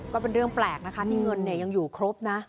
ก็เป็นเรื่องแปลกนะคะที่เงินยังอยู่ครบนะ